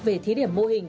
về thí điểm mô hình